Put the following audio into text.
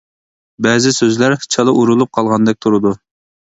بەزى سۆزلەر چالا ئۇرۇلۇپ قالغاندەك تۇرىدۇ.